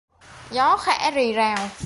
Gió khẽ rì rào